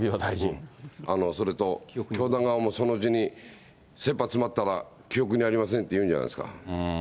それと、教団側もそのうちに、せっぱ詰まったら記憶にありませんって言うんじゃないですか。